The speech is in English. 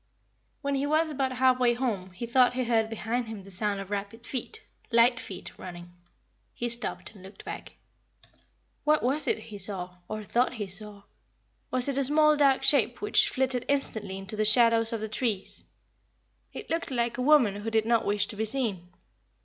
When he was about half way home he thought he heard behind him the sound of rapid feet light feet running. He stopped and looked back. What was it he saw, or thought he saw? Was it a small dark shape which flitted instantly into the shadow of the trees? It looked like a woman who did not wish to be seen.